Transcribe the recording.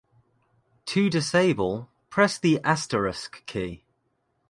To disable, press the asterisk key.